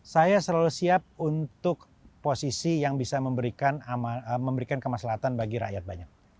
saya selalu siap untuk posisi yang bisa memberikan kemaslahan bagi rakyat banyak